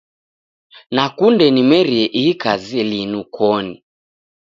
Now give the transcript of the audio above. Nakunde nimerie ihi kazi linu koni.